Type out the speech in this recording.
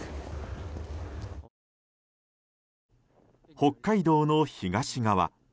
北海道の東側。